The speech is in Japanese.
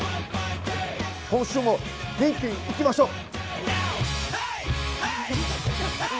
今週も元気にいきましょう。